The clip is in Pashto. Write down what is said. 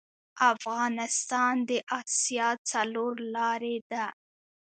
افغانستان د اسیا څلور لارې ده